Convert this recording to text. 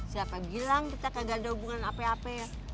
siapa bilang kita kagak ada hubungan apa apa ya